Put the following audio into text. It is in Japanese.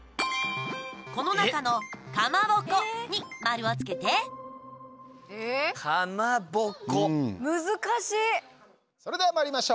この中の「かまぼこ」に丸をつけて難しい！それではまいりましょう。